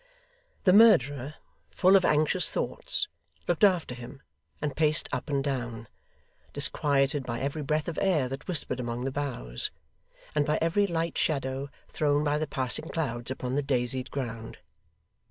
The murderer, full of anxious thoughts, looked after him, and paced up and down, disquieted by every breath of air that whispered among the boughs, and by every light shadow thrown by the passing clouds upon the daisied ground.